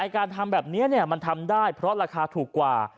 การทำแบบนี้มันทำได้เพราะราคาถูกกว่า